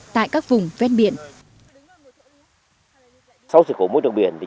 tại các vùng ven biển